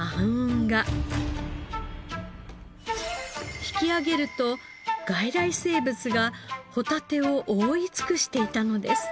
引き上げると外来生物がホタテを覆い尽くしていたのです。